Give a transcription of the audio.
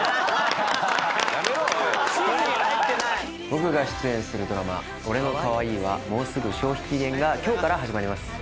僕が出演するドラマ『俺の可愛いはもうすぐ消費期限！？』が今日から始まります。